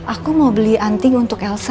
aku mau beli anting untuk elsa